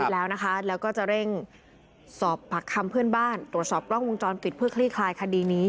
แล้วนะคะแล้วก็จะเร่งสอบปากคำเพื่อนบ้านตรวจสอบกล้องวงจรปิดเพื่อคลี่คลายคดีนี้